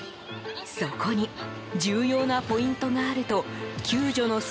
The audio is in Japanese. そこに重要なポイントがあると救助のス